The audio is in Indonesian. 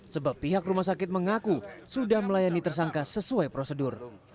sebab pihak rumah sakit mengaku sudah melayani tersangka sesuai prosedur